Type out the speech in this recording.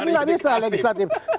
tidak bisa legislatif